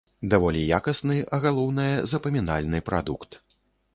Даволі якасны, а галоўнае, запамінальны прадукт.